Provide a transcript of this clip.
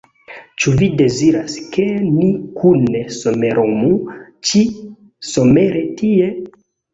Ĉu vi deziras, ke ni kune somerumu ĉi-somere tie?